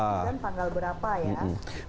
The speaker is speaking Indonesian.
misalnya tanggal berapa ya